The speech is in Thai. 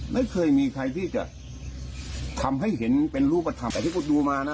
ไม่เคยมีใครที่จะทำให้เห็นเป็นรูปธรรมแต่ที่คุณดูมานะ